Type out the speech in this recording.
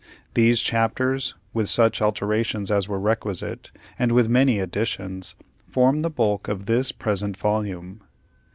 These chapters, with such alterations as were requisite, and with many additions, form the bulk of this present volume.